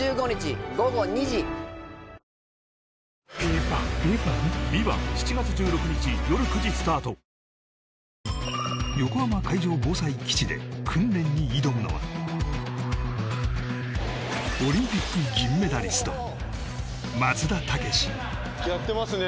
ニトリ横浜海上防災基地で訓練に挑むのはオリンピック銀メダリスト松田丈志やってますね